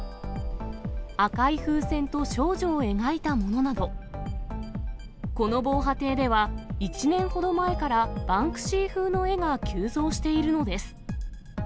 赤い風船と少女を描いたものなど、この防波堤では、１年ほど前からバンクシー風の絵が急増しているのです。